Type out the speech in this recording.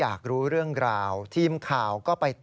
มันเกิดเหตุเป็นเหตุที่บ้านกลัว